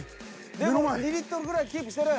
でも２リットルぐらいキープしてる。